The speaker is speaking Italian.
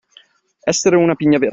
Essere una pigna verde.